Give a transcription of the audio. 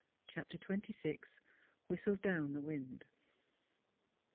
CHAPTER XXYI. WHISTLED DOWN THE WIND.